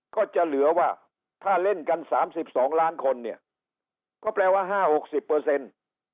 ก็จะเหลือว่าถ้าเล่นกัน๓๒ล้านคนเนี่ยก็แปลว่า๕๖๐เปอร์เซ็นต์